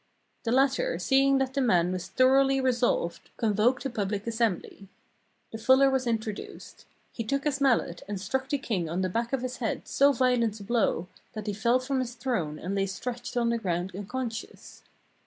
The latter, seeing that the man was thoroughly resolved, convoked a pubHc assembly. The fuller was introduced. He took his mallet and struck the king on the back of his head so violent a blow that he fell from his throne and lay stretched on the ground unconscious.